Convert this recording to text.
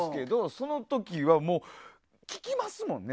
その時はもう、聞きますもんね